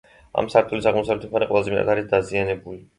ამ სართულის აღმოსავლეთი მხარე ყველაზე მეტად არის დაზიანებული.